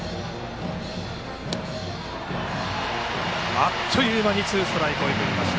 あっという間にツーストライクに追い込みました。